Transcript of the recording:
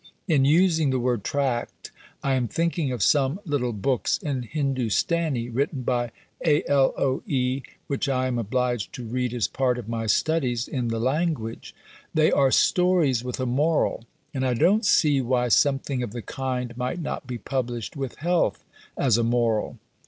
"In using the word tract, I am thinking of some little books in Hindustani written by A.L.O.E. which I am obliged to read as part of my studies in the language. They are stories with a moral, and I don't see why something of the kind might not be published with health as a moral."